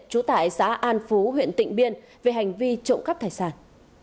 trú tại xã an phú huyện tịnh biên về hành vi trộm cắp tài sản